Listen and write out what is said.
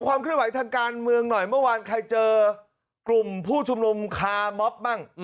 ความเคลื่อนไหวทางการเมืองหน่อยเมื่อวานใครเจอกลุ่มผู้ชุมนุมคาม็อบบ้าง